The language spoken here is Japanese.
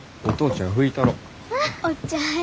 お父ちゃん！